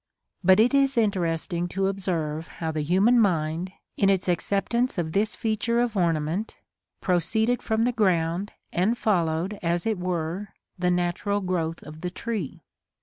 But it is interesting to observe how the human mind, in its acceptance of this feature of ornament, proceeded from the ground, and followed, as it were, the natural growth of the tree.